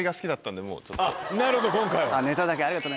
なるほど今回は。